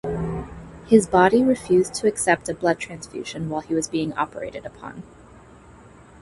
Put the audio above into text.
His body refused to accept a blood transfusion while he was being operated upon.